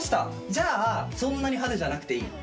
じゃあそんなに派手じゃなくていい。